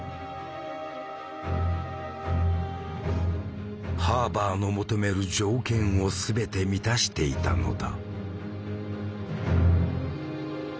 しかもハーバーの求める条件を全て満たしていたのだ。